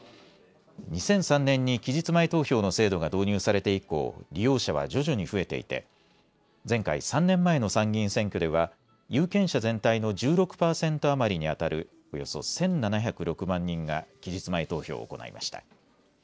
２００３年に期日前投票の制度が導入されて以降、利用者は徐々に増えていて前回３年前の参議院選挙では有権者全体の１６％余りにあたるおよそ１７０６万人が期日前投票を行いました。